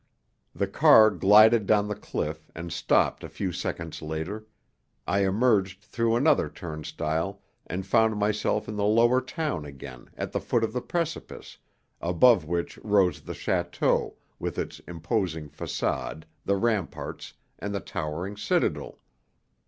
The car glided down the cliff, and stopped a few seconds later, I emerged through another turnstile and found myself in the lower town again at the foot of the precipice, above which rose the château with its imposing façade, the ramparts, and the towering citadel.